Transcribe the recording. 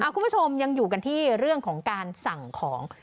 คุณผู้ชมยังอยู่กันที่เรื่องของการสั่งของ